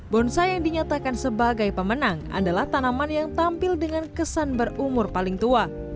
bonsai yang dinyatakan sebagai pemenang adalah tanaman yang tampil dengan kesan berumur paling tua